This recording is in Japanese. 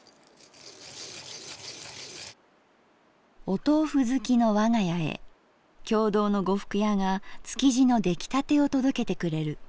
「お豆腐好きのわが家へ経堂の呉服屋が築地の出来たてを届けてくれる。